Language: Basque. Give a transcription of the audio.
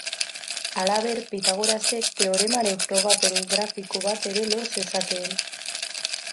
Halaber, Pitagorasek, teoremaren frogapen grafiko bat ere lor zezakeen.